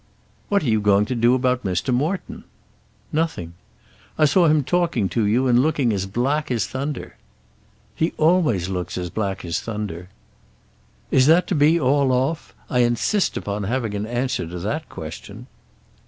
"What are you going to do about Mr. Morton?" "Nothing." "I saw him talking to you and looking as black as thunder." "He always looks as black as thunder." "Is that to be all off? I insist upon having an answer to that question."